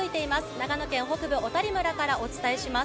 長野県北部小谷村からお伝えします。